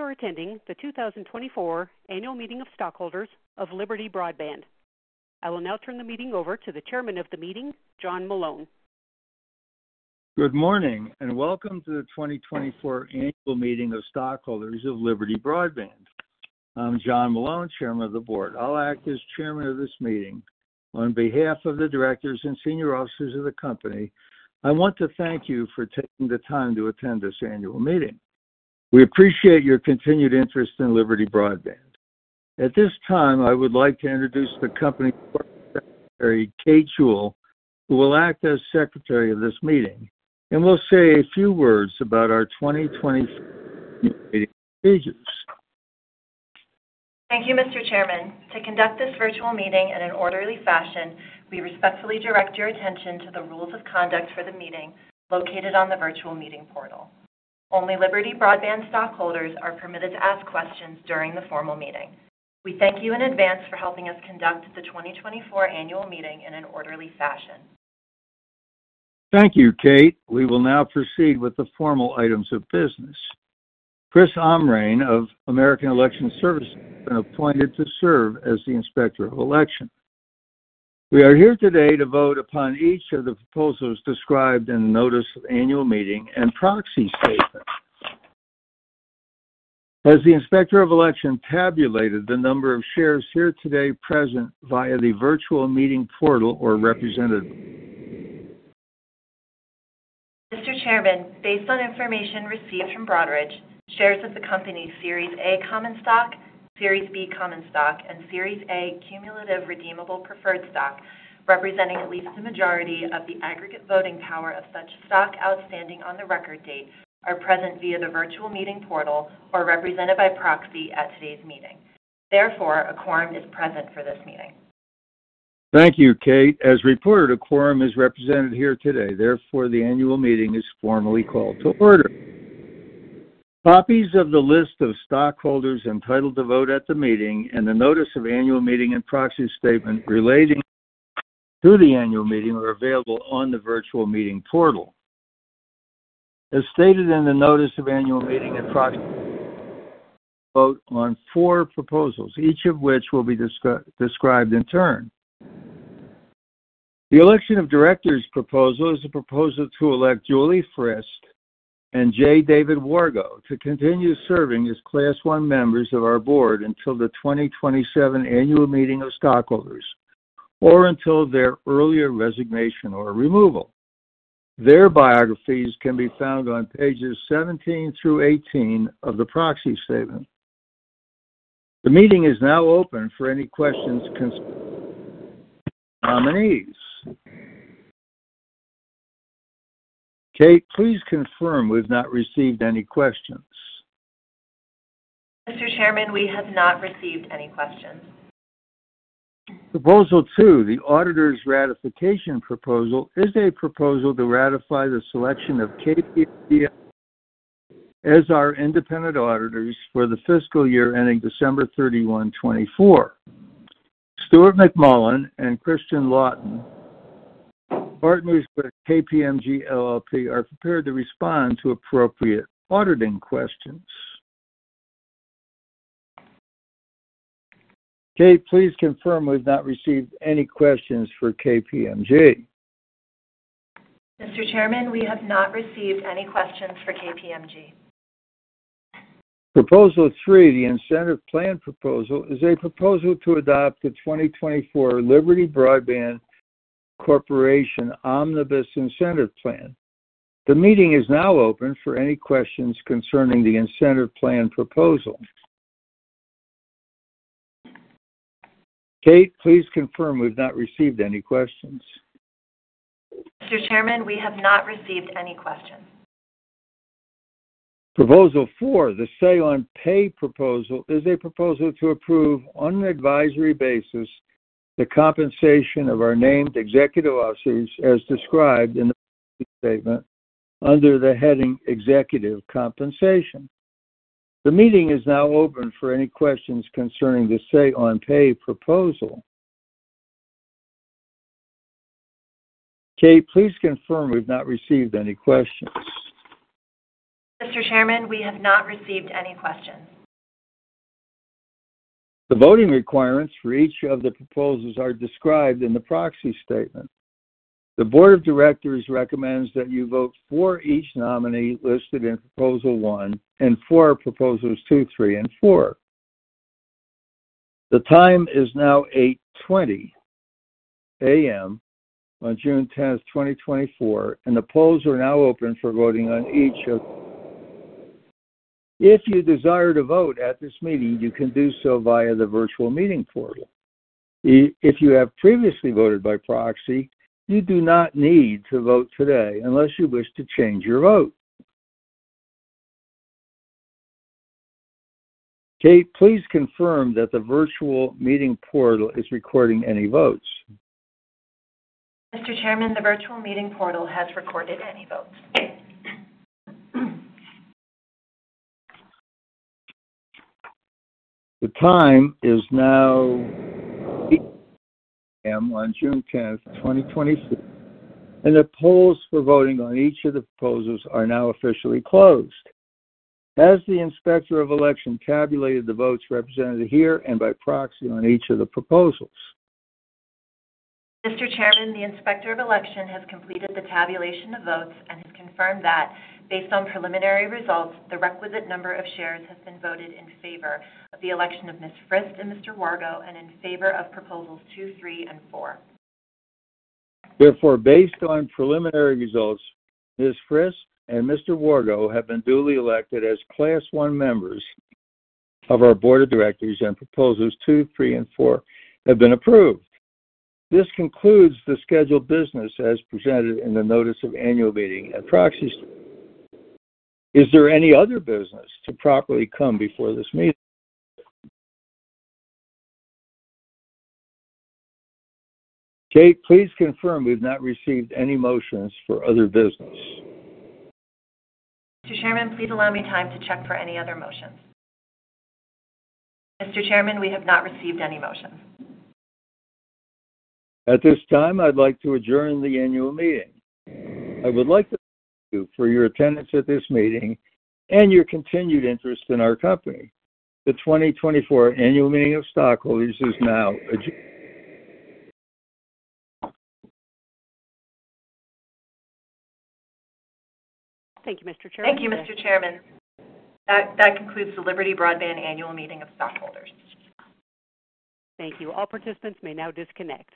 Thank you for attending the 2024 Annual Meeting of Stockholders of Liberty Broadband. I will now turn the meeting over to the chairman of the meeting, John Malone. Good morning, and welcome to the 2024 Annual Meeting of Stockholders of Liberty Broadband. I'm John Malone, Chairman of the Board. I'll act as Chairman of this meeting. On behalf of the directors and senior officers of the company, I want to thank you for taking the time to attend this annual meeting. We appreciate your continued interest in Liberty Broadband. At this time, I would like to introduce the company secretary, Kate Jewell, who will act as secretary of this meeting and will say a few words about our 2024 pages. Thank you, Mr. Chairman. To conduct this virtual meeting in an orderly fashion, we respectfully direct your attention to the rules of conduct for the meeting located on the virtual meeting portal. Only Liberty Broadband stockholders are permitted to ask questions during the formal meeting. We thank you in advance for helping us conduct the 2024 annual meeting in an orderly fashion. Thank you, Kate. We will now proceed with the formal items of business. Chris O'Brien of American Election Services, appointed to serve as the Inspector of Election. We are here today to vote upon each of the proposals described in the notice of annual meeting and proxy statement. Has the Inspector of Election tabulated the number of shares here today present via the virtual meeting portal or represented? Mr. Chairman, based on information received from Broadridge, shares of the company, Series A Common Stock, Series B Common Stock, and Series A Cumulative Redeemable Preferred Stock, representing at least the majority of the aggregate voting power of such stock outstanding on the record date, are present via the virtual meeting portal or represented by proxy at today's meeting. Therefore, a quorum is present for this meeting. Thank you, Kate. As reported, a quorum is represented here today, therefore, the annual meeting is formally called to order. Copies of the list of stockholders entitled to vote at the meeting and the notice of annual meeting and proxy statement relating to the annual meeting are available on the virtual meeting portal. As stated in the notice of annual meeting and proxy, vote on 4 proposals, each of which will be described in turn. The election of directors proposal is a proposal to elect Julie Frist and J. David Wargo to continue serving as Class I members of our board until the 2027 Annual Meeting of Stockholders, or until their earlier resignation or removal. Their biographies can be found on pages 17 through 18 of the proxy statement. The meeting is now open for any questions concerning the nominees. Kate, please confirm we've not received any questions. Mr. Chairman, we have not received any questions. Proposal two, the auditors ratification proposal, is a proposal to ratify the selection of KPMG as our independent auditors for the fiscal year ending December 31, 2024. Stuart McMullin and Christian Lawton, partners with KPMG LLP, are prepared to respond to appropriate auditing questions. Kate, please confirm we've not received any questions for KPMG. Mr. Chairman, we have not received any questions for KPMG. Proposal three, the incentive plan proposal, is a proposal to adopt the 2024 Liberty Broadband Corporation Omnibus Incentive Plan. The meeting is now open for any questions concerning the incentive plan proposal. Kate, please confirm we've not received any questions. Mr. Chairman, we have not received any questions. Proposal four, the Say on Pay proposal, is a proposal to approve on an advisory basis the compensation of our named executive officers as described in the statement under the heading Executive Compensation. The meeting is now open for any questions concerning the Say on Pay proposal. Kate, please confirm we've not received any questions. Mr. Chairman, we have not received any questions. The voting requirements for each of the proposals are described in the Proxy Statement. The board of directors recommends that you vote for each nominee listed in proposal one and for proposals two, three, and four. The time is now 8:20 A.M. on June 10, 2024, and the polls are now open for voting on each of... If you desire to vote at this meeting, you can do so via the virtual meeting portal. If you have previously voted by proxy, you do not need to vote today unless you wish to change your vote. Kate, please confirm that the virtual meeting portal is recording any votes. Mr. Chairman, the virtual meeting portal has recorded any votes. The time is now A.M. on June tenth, 2024, and the polls for voting on each of the proposals are now officially closed. Has the Inspector of Election tabulated the votes represented here and by proxy on each of the proposals? Mr. Chairman, the Inspector of Election has completed the tabulation of votes and has confirmed that based on preliminary results, the requisite number of shares has been voted in favor of the election of Ms. Frist and Mr. Wargo, and in favor of proposals two, three, and four. Therefore, based on preliminary results, Ms. Frist and Mr. Wargo have been duly elected as Class I members of our board of directors, and proposals two, three, and four have been approved. This concludes the scheduled business as presented in the notice of annual meeting and proxy. Is there any other business to properly come before this meeting? Kate, please confirm we've not received any motions for other business. Mr. Chairman, please allow me time to check for any other motions. Mr. Chairman, we have not received any motions. At this time, I'd like to adjourn the annual meeting. I would like to thank you for your attendance at this meeting and your continued interest in our company. The 2024 Annual Meeting of Stockholders is now adjourned. Thank you, Mr. Chairman. Thank you, Mr. Chairman. That concludes the Liberty Broadband Annual Meeting of Stockholders. Thank you. All participants may now disconnect.